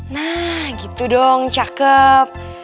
nah gitu dong cakep